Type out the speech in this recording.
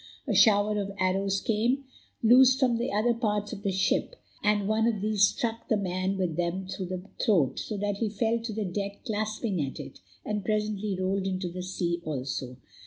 A shower of arrows came, loosed from other parts of the ship, and one of these struck the man with them through the throat, so that he fell to the deck clasping at it, and presently rolled into the sea also.